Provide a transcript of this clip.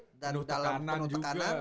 penuh tekanan juga